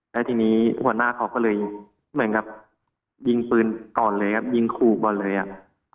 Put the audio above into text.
แล้วทีนี้หัวหน้าเขาก็เลยเหมือนกับยิงปืนก่อนเลยครับยิงขู่ก่อนเลยอ่ะ